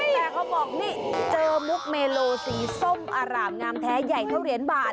แต่เขาบอกนี่เจอมุกเมโลสีส้มอร่ามงามแท้ใหญ่เท่าเหรียญบาท